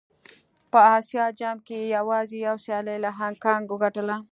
په اسيا جام کې يې يوازې يوه سيالي له هانګ کانګ وګټله.